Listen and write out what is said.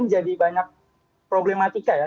menjadi banyak problematika ya